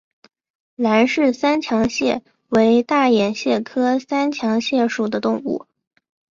兰氏三强蟹为大眼蟹科三强蟹属的动物。